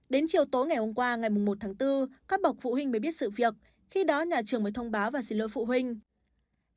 đến chiều tối ngày hôm qua ngày một tháng bốn các bậc phụ huynh mới biết sự việc khi đó nhà trường mới thông báo và xin lỗi phụ huynh